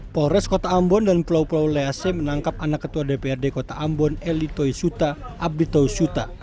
polres kota ambon dan pulau pulau lease menangkap anak ketua dprd kota ambon eli toisuta abdi tosuta